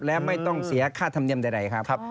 และไม่ต้องเสียค่าธรรมเนียมใดครับ